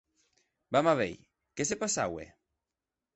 Vam a veir, qué se passaue?